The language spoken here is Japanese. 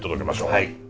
はい。